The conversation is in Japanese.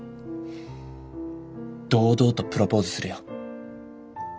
堂々とプロポーズするよ。